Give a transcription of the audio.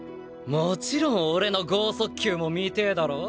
もちろん俺の豪速球も見てえだろ？